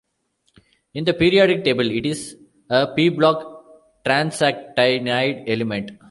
In the periodic table, it is a p-block transactinide element.